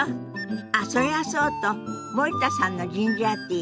あっそりゃそうと森田さんのジンジャーティー